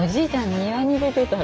庭に出てたら。